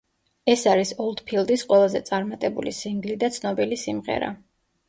ეს არის ოლდფილდის ყველაზე წარმატებული სინგლი და ცნობილი სიმღერა.